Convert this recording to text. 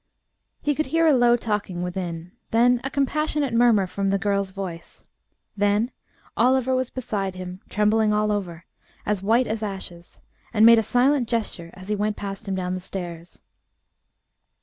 He could hear a low talking within; then a compassionate murmur from the girl's voice; then Oliver was beside him, trembling all over, as white as ashes, and made a silent gesture as he went past him down the stairs.